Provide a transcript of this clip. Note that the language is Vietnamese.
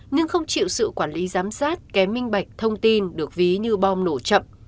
nhưng không chịu sự quản lý giám sát kém minh bạch thông tin được ví như bom nổ chậm